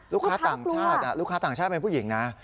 ลูกค้าต่างชาติมันผู้หญิงนะ